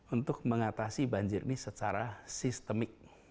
untuk mengatasi banjir ini secara sistemik